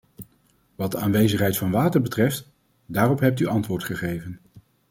Wat de aanwezigheid van water betreft, daarop hebt u antwoord gegeven.